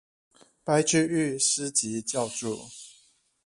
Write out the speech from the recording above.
白居易诗集校注